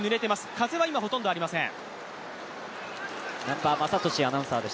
風はほとんどありません。